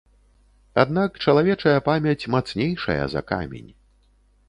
Аднак чалавечая памяць мацнейшая за камень.